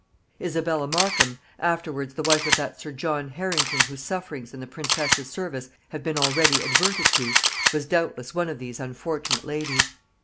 Isabella Markham, afterwards the wife of that sir John Harrington whose sufferings in the princess's service have been already adverted to, was doubtless one of these unfortunate ladies.